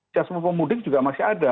jasmu pemudik juga masih ada